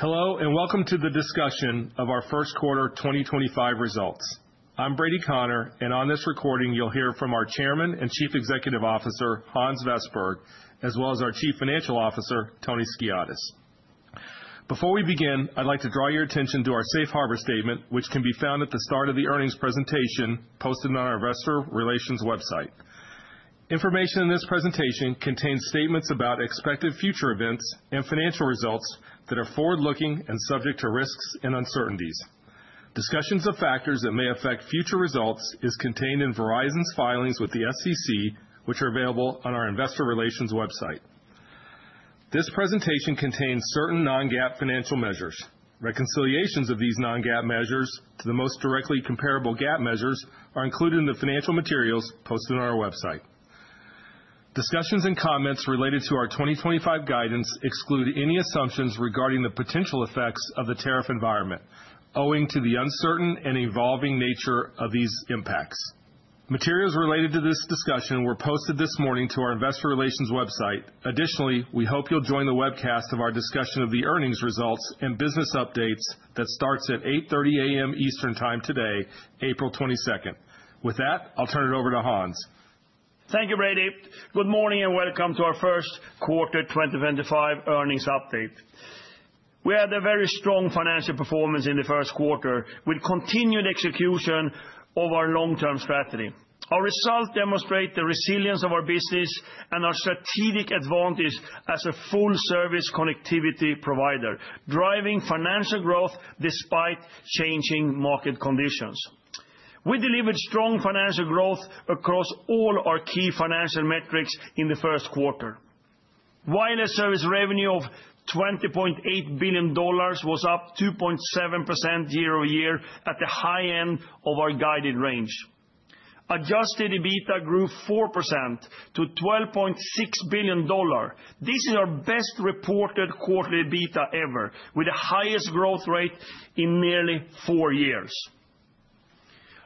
Hello and welcome to the discussion of our first quarter 2025 results. I'm Brady Connor, and on this recording you'll hear from our Chairman and Chief Executive Officer, Hans Vestberg, as well as our Chief Financial Officer, Tony Skiadas. Before we begin, I'd like to draw your attention to our Safe Harbor Statement, which can be found at the start of the earnings presentation posted on our Investor Relations website. Information in this presentation contains statements about expected future events and financial results that are forward-looking and subject to risks and uncertainties. Discussions of factors that may affect future results are contained in Verizon's filings with the SEC, which are available on our Investor Relations website. This presentation contains certain non-GAAP financial measures. Reconciliations of these non-GAAP measures to the most directly comparable GAAP measures are included in the financial materials posted on our website. Discussions and comments related to our 2025 guidance exclude any assumptions regarding the potential effects of the tariff environment, owing to the uncertain and evolving nature of these impacts. Materials related to this discussion were posted this morning to our Investor Relations website. Additionally, we hope you'll join the webcast of our discussion of the earnings results and business updates that starts at 8:30 A.M. Eastern Time today, April 22nd. With that, I'll turn it over to Hans. Thank you, Brady. Good morning and welcome to our first quarter 2025 earnings update. We had a very strong financial performance in the first quarter with continued execution of our long-term strategy. Our results demonstrate the resilience of our business and our strategic advantage as a full-service connectivity provider, driving financial growth despite changing market conditions. We delivered strong financial growth across all our key financial metrics in the first quarter. Wireless service revenue of $20.8 billion was up 2.7% year-over-year at the high end of our guided range. Adjusted EBITDA grew 4% to $12.6 billion. This is our best reported quarterly EBITDA ever, with the highest growth rate in nearly four years.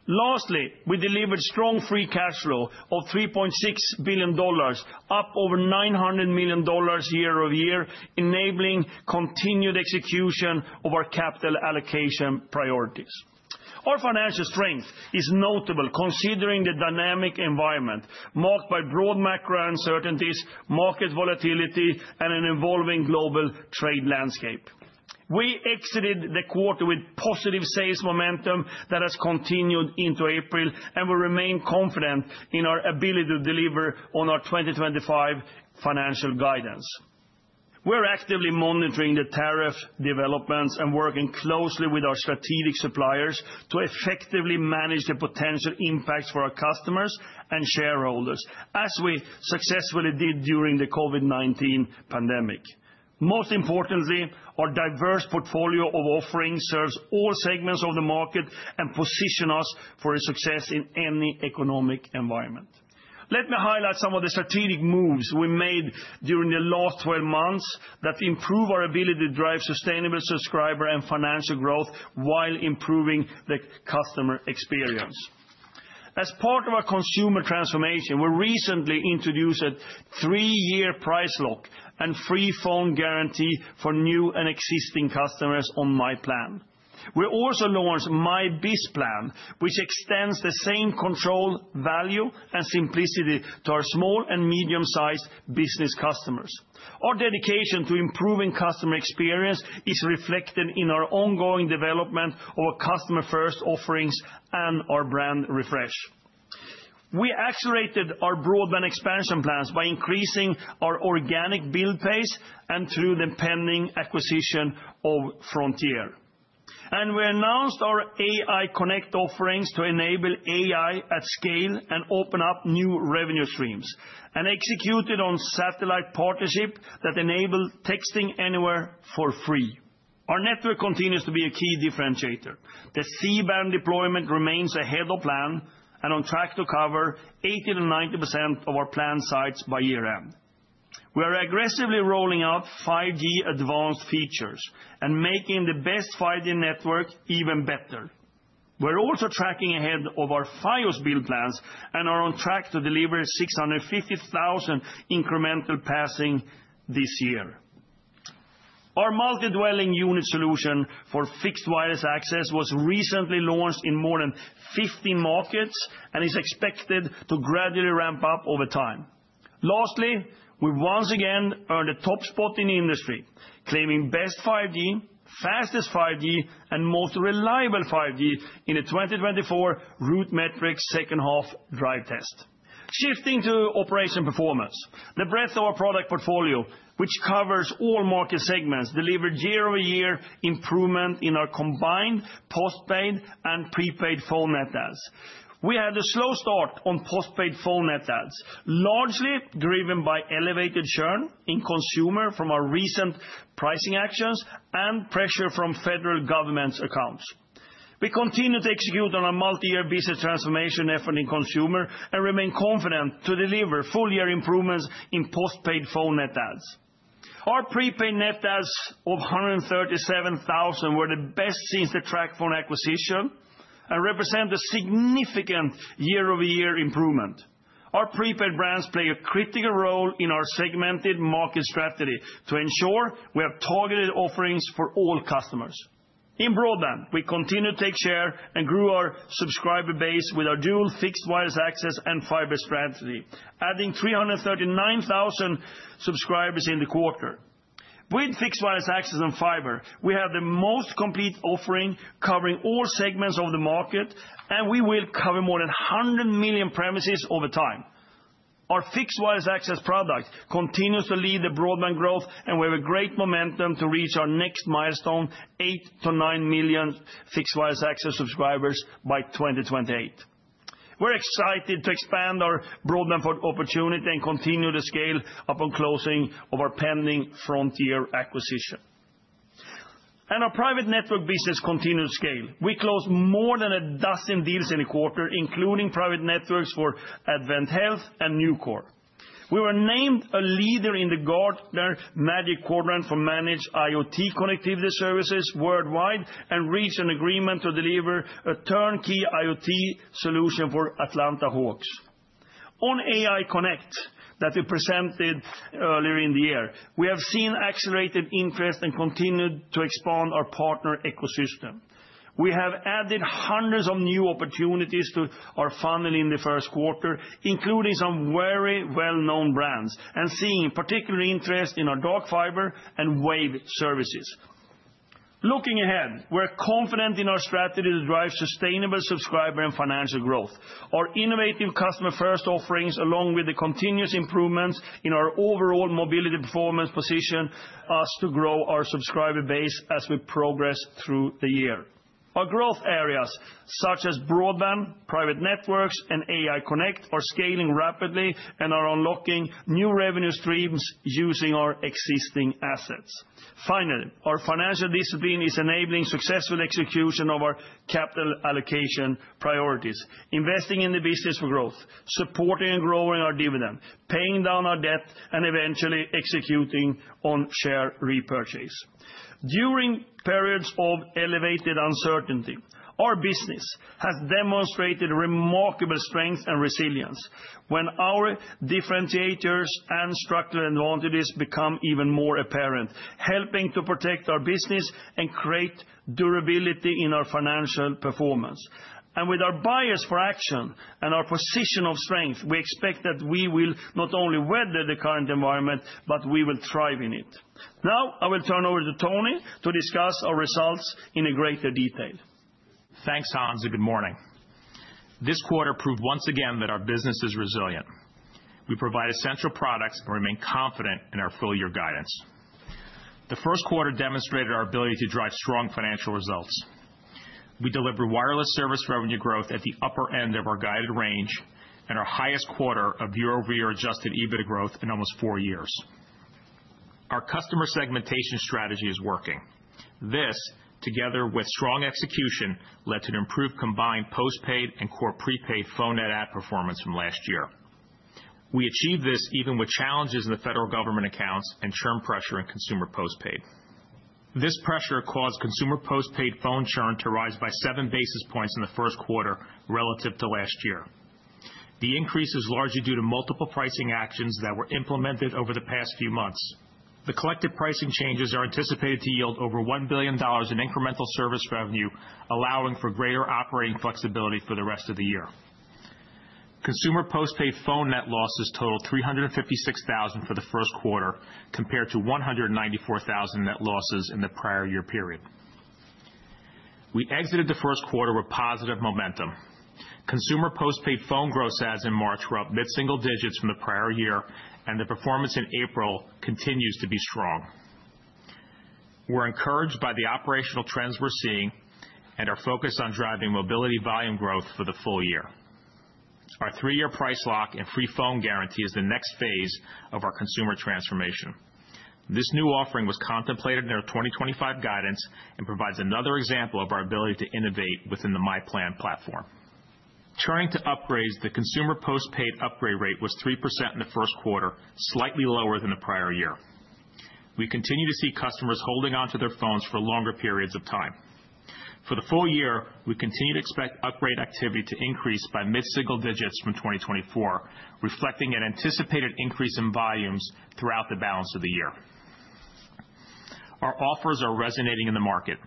Lastly, we delivered strong free cash flow of $3.6 billion, up over $900 million year-over-year, enabling continued execution of our capital allocation priorities. Our financial strength is notable considering the dynamic environment marked by broad macro uncertainties, market volatility, and an evolving global trade landscape. We exited the quarter with positive sales momentum that has continued into April, and we remain confident in our ability to deliver on our 2025 financial guidance. We're actively monitoring the tariff developments and working closely with our strategic suppliers to effectively manage the potential impacts for our customers and shareholders, as we successfully did during the COVID-19 pandemic. Most importantly, our diverse portfolio of offerings serves all segments of the market and positions us for success in any economic environment. Let me highlight some of the strategic moves we made during the last 12 months that improve our ability to drive sustainable subscriber and financial growth while improving the customer experience. As part of our consumer transformation, we recently introduced a three-year price lock and free phone guarantee for new and existing customers on myPlan. We also launched My Biz Plan, which extends the same control, value, and simplicity to our small and medium-sized business customers. Our dedication to improving customer experience is reflected in our ongoing development of our customer-first offerings and our brand refresh. We accelerated our broadband expansion plans by increasing our organic build pace and through the pending acquisition of Frontier. We announced our AI Connect offerings to enable AI at scale and open up new revenue streams, and executed on satellite partnerships that enable texting anywhere for free. Our network continues to be a key differentiator. The C-Band deployment remains ahead of plan and on track to cover 80-90% of our planned sites by year-end. We are aggressively rolling out 5G advanced features and making the best 5G network even better. We're also tracking ahead of our Fios build plans and are on track to deliver 650,000 incremental passings this year. Our multi-dwelling unit solution for Fixed Wireless Access was recently launched in more than 15 markets and is expected to gradually ramp up over time. Lastly, we once again earned a top spot in the industry, claiming best 5G, fastest 5G, and most reliable 5G in the 2024 RootMetrics second half drive test. Shifting to operation performance, the breadth of our product portfolio, which covers all market segments, delivered year-over-year improvement in our combined postpaid and prepaid phone net adds. We had a slow start on postpaid phone net adds, largely driven by elevated churn in consumer from our recent pricing actions and pressure from federal government accounts. We continue to execute on our multi-year business transformation effort in consumer and remain confident to deliver full-year improvements in postpaid phone net adds. Our prepaid net adds of 137,000 were the best since the TracFone acquisition and represent a significant year-over-year improvement. Our prepaid brands play a critical role in our segmented market strategy to ensure we have targeted offerings for all customers. In broadband, we continue to take share and grow our subscriber base with our dual Fixed Wireless Access and fiber strategy, adding 339,000 subscribers in the quarter. With Fixed Wireless Access and fiber, we have the most complete offering covering all segments of the market, and we will cover more than 100 million premises over time. Our Fixed Wireless Access product continues to lead the broadband growth, and we have great momentum to reach our next milestone, 8-9 million Fixed Wireless Access subscribers by 2028. We're excited to expand our broadband opportunity and continue to scale upon closing of our pending Frontier acquisition. Our private network business continues to scale. We closed more than a dozen deals in the quarter, including private networks for AdventHealth and Nucor. We were named a leader in the Gartner Magic Quadrant for managed IoT connectivity services worldwide and reached an agreement to deliver a turnkey IoT solution for Atlanta Hawks. On AI Connect that we presented earlier in the year, we have seen accelerated interest and continued to expand our partner ecosystem. We have added hundreds of new opportunities to our funnel in the first quarter, including some very well-known brands, and seeing particular interest in our dark fiber and Wave Services. Looking ahead, we're confident in our strategy to drive sustainable subscriber and financial growth. Our innovative customer-first offerings, along with the continuous improvements in our overall mobility performance, position us to grow our subscriber base as we progress through the year. Our growth areas, such as broadband, private networks, and AI Connect, are scaling rapidly and are unlocking new revenue streams using our existing assets. Finally, our financial discipline is enabling successful execution of our capital allocation priorities, investing in the business for growth, supporting and growing our dividend, paying down our debt, and eventually executing on share repurchase. During periods of elevated uncertainty, our business has demonstrated remarkable strength and resilience when our differentiators and structural advantages become even more apparent, helping to protect our business and create durability in our financial performance. With our bias for action and our position of strength, we expect that we will not only weather the current environment, but we will thrive in it. Now, I will turn over to Tony to discuss our results in greater detail. Thanks, Hans, and good morning. This quarter proved once again that our business is resilient. We provide essential products and remain confident in our full-year guidance. The first quarter demonstrated our ability to drive strong financial results. We delivered wireless service revenue growth at the upper end of our guided range and our highest quarter of year-over-year adjusted EBITDA growth in almost four years. Our customer segmentation strategy is working. This, together with strong execution, led to an improved combined postpaid and core prepaid phone net add performance from last year. We achieved this even with challenges in the federal government accounts and churn pressure in consumer postpaid. This pressure caused consumer postpaid phone churn to rise by seven basis points in the first quarter relative to last year. The increase is largely due to multiple pricing actions that were implemented over the past few months. The collective pricing changes are anticipated to yield over $1 billion in incremental service revenue, allowing for greater operating flexibility for the rest of the year. Consumer postpaid phone net losses totaled 356,000 for the first quarter, compared to 194,000 net losses in the prior year period. We exited the first quarter with positive momentum. Consumer postpaid phone gross adds in March were up mid-single digits from the prior year, and the performance in April continues to be strong. We're encouraged by the operational trends we're seeing and are focused on driving mobility volume growth for the full year. Our three-year price lock and free phone guarantee is the next phase of our consumer transformation. This new offering was contemplated in our 2025 guidance and provides another example of our ability to innovate within the myPlan platform. Turning to upgrades, the consumer postpaid upgrade rate was 3% in the first quarter, slightly lower than the prior year. We continue to see customers holding on to their phones for longer periods of time. For the full year, we continue to expect upgrade activity to increase by mid-single digits from 2024, reflecting an anticipated increase in volumes throughout the balance of the year. Our offers are resonating in the market.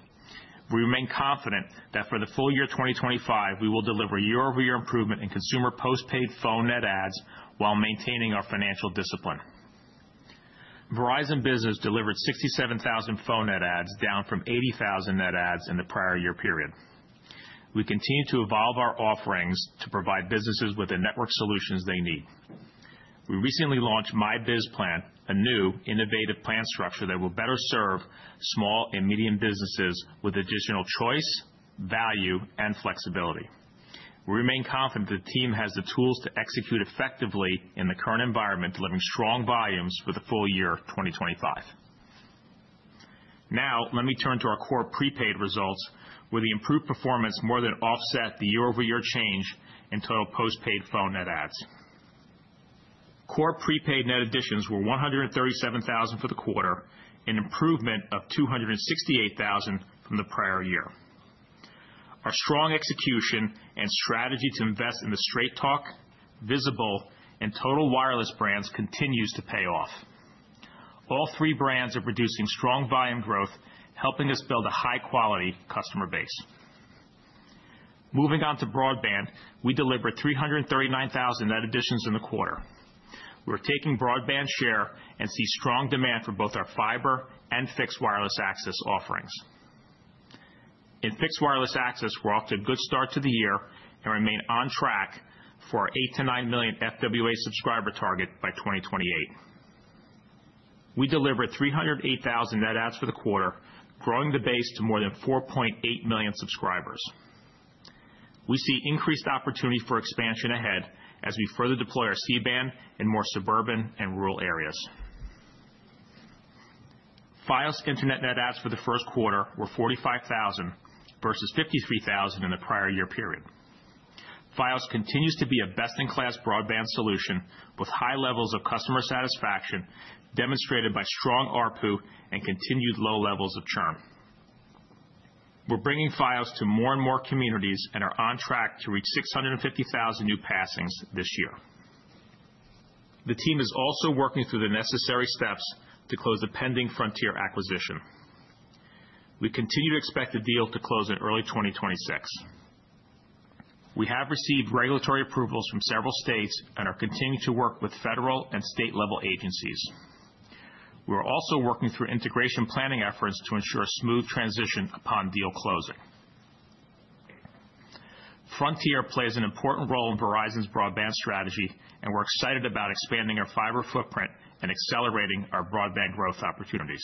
We remain confident that for the full year 2025, we will deliver year-over-year improvement in consumer postpaid phone net adds while maintaining our financial discipline. Verizon Business delivered 67,000 phone net adds, down from 80,000 net adds in the prior year period. We continue to evolve our offerings to provide businesses with the network solutions they need. We recently launched My Biz Plan, a new innovative plan structure that will better serve small and medium businesses with additional choice, value, and flexibility. We remain confident the team has the tools to execute effectively in the current environment, delivering strong volumes for the full year 2025. Now, let me turn to our core prepaid results, where the improved performance more than offsets the year-over-year change in total postpaid phone net adds. Core prepaid net additions were 137,000 for the quarter, an improvement of 268,000 from the prior year. Our strong execution and strategy to invest in the Straight Talk, Visible, and Total Wireless brands continues to pay off. All three brands are producing strong volume growth, helping us build a high-quality customer base. Moving on to broadband, we delivered 339,000 net additions in the quarter. We're taking broadband share and see strong demand for both our fiber and fixed wireless access offerings. In fixed wireless access, we're off to a good start to the year and remain on track for our 8-9 million FWA subscriber target by 2028. We delivered 308,000 net adds for the quarter, growing the base to more than 4.8 million subscribers. We see increased opportunity for expansion ahead as we further deploy our C-Band in more suburban and rural areas. Fios Internet net adds for the first quarter were 45,000 versus 53,000 in the prior year period. Fios continues to be a best-in-class broadband solution with high levels of customer satisfaction, demonstrated by strong ARPU and continued low levels of churn. We're bringing Fios to more and more communities and are on track to reach 650,000 new passings this year. The team is also working through the necessary steps to close the pending Frontier acquisition. We continue to expect the deal to close in early 2026. We have received regulatory approvals from several states and are continuing to work with federal and state-level agencies. We are also working through integration planning efforts to ensure a smooth transition upon deal closing. Frontier plays an important role in Verizon's broadband strategy, and we're excited about expanding our fiber footprint and accelerating our broadband growth opportunities.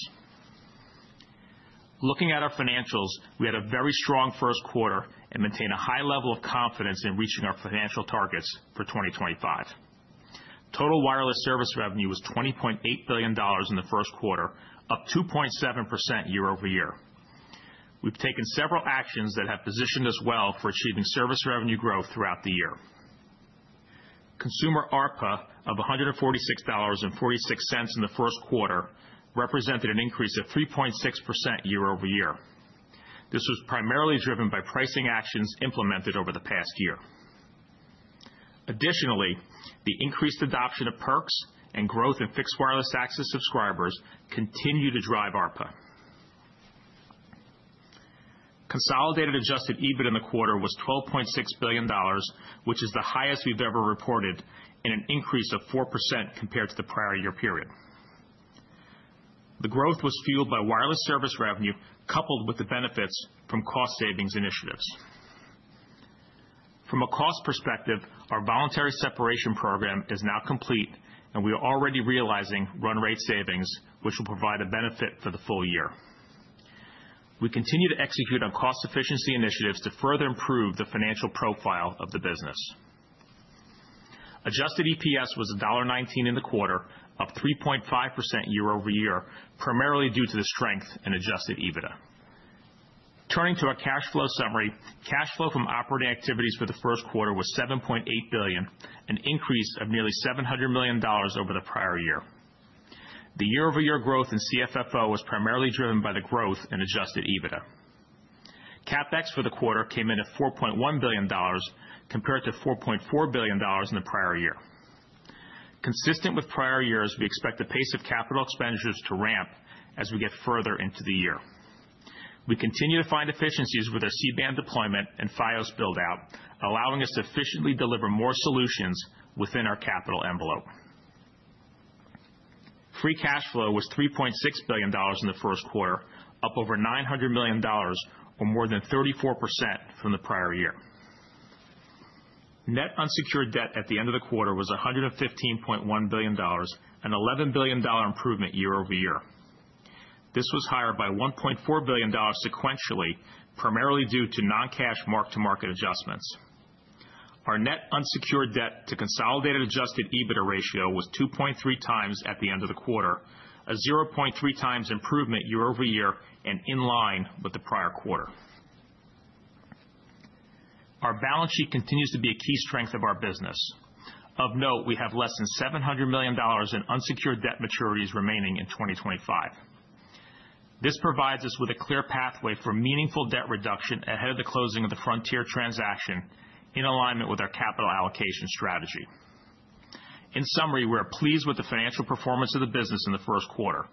Looking at our financials, we had a very strong first quarter and maintained a high level of confidence in reaching our financial targets for 2025. Total wireless service revenue was $20.8 billion in the first quarter, up 2.7% year-over-year. We've taken several actions that have positioned us well for achieving service revenue growth throughout the year. Consumer ARPA of $146.46 in the first quarter represented an increase of 3.6% year-over-year. This was primarily driven by pricing actions implemented over the past year. Additionally, the increased adoption of perks and growth in fixed wireless access subscribers continue to drive ARPA. Consolidated adjusted EBITDA in the quarter was $12.6 billion, which is the highest we've ever reported and an increase of 4% compared to the prior year period. The growth was fueled by wireless service revenue coupled with the benefits from cost savings initiatives. From a cost perspective, our voluntary separation program is now complete, and we are already realizing run rate savings, which will provide a benefit for the full year. We continue to execute on cost efficiency initiatives to further improve the financial profile of the business. Adjusted EPS was $1.19 in the quarter, up 3.5% year-over-year, primarily due to the strength in adjusted EBITDA. Turning to our cash flow summary, cash flow from operating activities for the first quarter was $7.8 billion, an increase of nearly $700 million over the prior year. The year-over-year growth in CFFO was primarily driven by the growth in adjusted EBITDA. CapEx for the quarter came in at $4.1 billion, compared to $4.4 billion in the prior year. Consistent with prior years, we expect the pace of capital expenditures to ramp as we get further into the year. We continue to find efficiencies with our C-Band deployment and Fios build-out, allowing us to efficiently deliver more solutions within our capital envelope. Free cash flow was $3.6 billion in the first quarter, up over $900 million, or more than 34% from the prior year. Net unsecured debt at the end of the quarter was $115.1 billion, an $11 billion improvement year-over-year. This was higher by $1.4 billion sequentially, primarily due to non-cash mark-to-market adjustments. Our net unsecured debt to consolidated adjusted EBITDA ratio was 2.3 times at the end of the quarter, a 0.3 times improvement year-over-year and in line with the prior quarter. Our balance sheet continues to be a key strength of our business. Of note, we have less than $700 million in unsecured debt maturities remaining in 2025. This provides us with a clear pathway for meaningful debt reduction ahead of the closing of the Frontier transaction, in alignment with our capital allocation strategy. In summary, we're pleased with the financial performance of the business in the first quarter.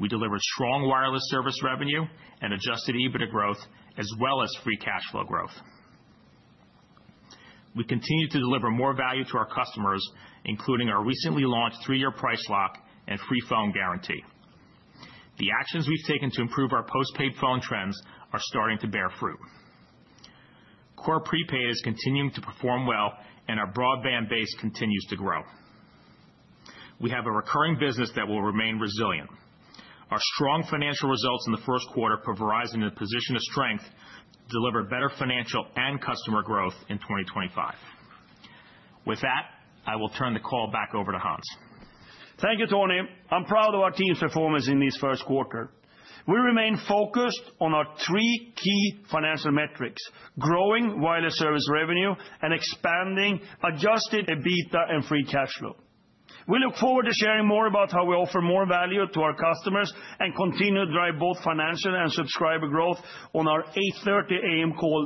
We delivered strong wireless service revenue and adjusted EBITDA growth, as well as free cash flow growth. We continue to deliver more value to our customers, including our recently launched three-year price lock and free phone guarantee. The actions we've taken to improve our postpaid phone trends are starting to bear fruit. Core prepaid is continuing to perform well, and our broadband base continues to grow. We have a recurring business that will remain resilient. Our strong financial results in the first quarter put Verizon in a position of strength to deliver better financial and customer growth in 2025. With that, I will turn the call back over to Hans. Thank you, Tony. I'm proud of our team's performance in this first quarter. We remain focused on our three key financial metrics: growing wireless service revenue, and expanding adjusted EBITDA and free cash flow. We look forward to sharing more about how we offer more value to our customers and continue to drive both financial and subscriber growth on our 8:30 A.M. call.